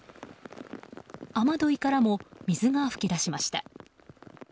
雨どいからも水が噴き出しました。